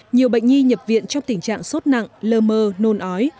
nhiều bệnh nhi nhập viện trong tình trạng sốt nặng lơ mơ nôn ói